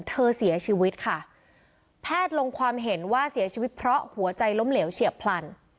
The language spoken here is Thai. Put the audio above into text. เสียชีวิตค่ะแพทย์ลงความเห็นว่าเสียชีวิตเพราะหัวใจล้มเหลวเฉียบพลัน